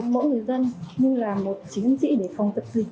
mỗi người dân như là một chiến dịp để phòng thật dịch